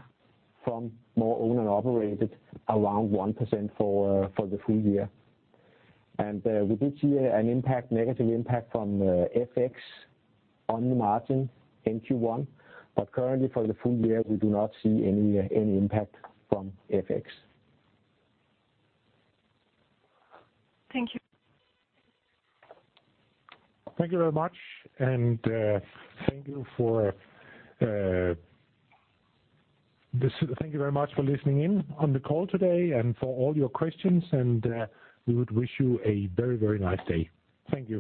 from more owned and operated, around 1% for the full year. And we did see an impact, negative impact from FX on the margin in Q1, but currently for the full year, we do not see any impact from FX. Thank you. Thank you very much, and thank you very much for listening in on the call today and for all your questions, and we would wish you a very, very nice day. Thank you.